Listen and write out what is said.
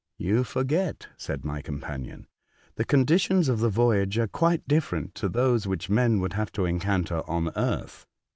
"You forget," said my companion, "the conditions of the voyage are quite different to those which men would have to encounter on earth.